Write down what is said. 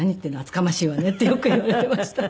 厚かましいわね」ってよく言われていました。